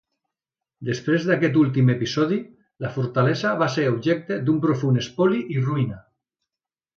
Després d'aquest últim episodi, la fortalesa va ser objecte d'un profund espoli i ruïna.